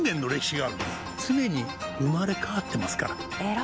常に生まれ変わってますから。